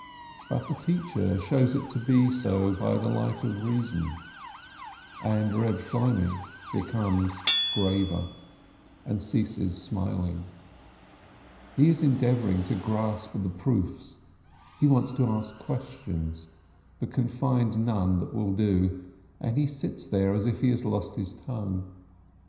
But the teacher shows it to be so by the light of reason, and Reb Shloimeh becomes graver, and ceases smiling ; he is endeavoring to grasp the proofs ; he wants to ask questions, but can find none that will do, and he sits there as if he had lost his tongue.